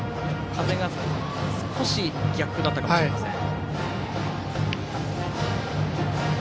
風が少し逆だったかもしれません。